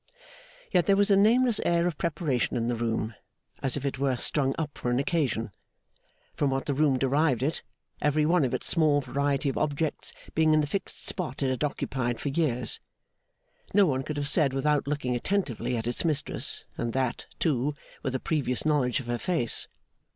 Yet there was a nameless air of preparation in the room, as if it were strung up for an occasion. From what the room derived it every one of its small variety of objects being in the fixed spot it had occupied for years no one could have said without looking attentively at its mistress, and that, too, with a previous knowledge of her face.